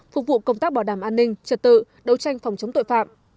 phục vụ công tác bảo đảm an ninh trật tự đấu tranh phòng chống tội phạm